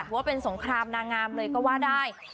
ว่าเป็นสงครามนางงามเลยก็ว่าได้